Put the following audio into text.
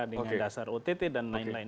dengan dasar ott dan lain lain